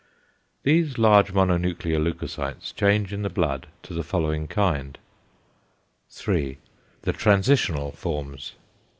These large mononuclear leucocytes change in the blood to the following kind: 3. "=The transitional forms.